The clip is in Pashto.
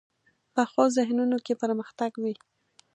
پخو ذهنونو کې پرمختګ وي